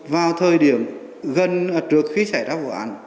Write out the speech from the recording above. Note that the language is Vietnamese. vào thời điểm gần trước khi xảy ra vụ án